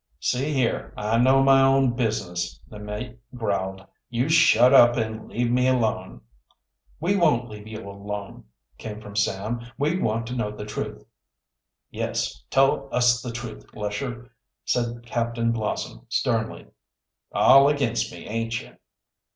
"See here, I know my own business," the mate growled. "You shut up and leave me alone." "We won't leave you alone," came from Sam. "We want to know the truth." "Yes, tell us the truth, Lesher," said Captain Blossom sternly. "All against me, aint you?"